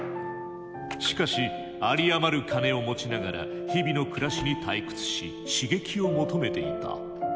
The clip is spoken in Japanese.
しかし有り余る金を持ちながら日々の暮らしに退屈し刺激を求めていた。